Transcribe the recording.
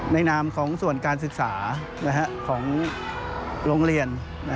นามของส่วนการศึกษาของโรงเรียน